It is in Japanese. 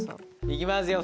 いきますよ